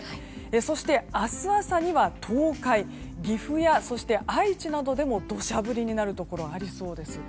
そして、明日朝には東海岐阜や愛知などでも土砂降りになるところがありそうです。